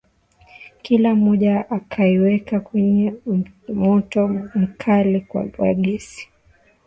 Kila moja akaiweka kwenye moto mkali wa gesi.